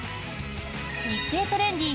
「日経トレンディ」